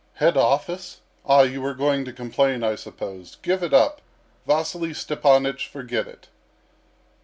"Head office? Ah, you are going to complain, I suppose. Give it up! Vasily Stepanych, forget it."